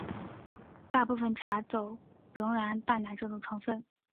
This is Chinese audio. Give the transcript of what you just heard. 大部份茶走仍有淡奶这种成份。